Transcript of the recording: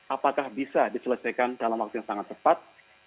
apakah bisa diselesaikan dalam waktu yang sangat cepat